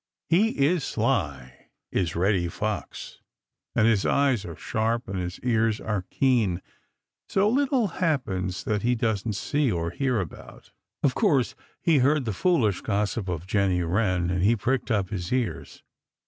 He is sly, is Reddy Fox, and his eyes are sharp and his ears are keen, so little happens that he doesn't see or hear about. Of course he heard the foolish gossip of Jenny Wren and he pricked up his ears.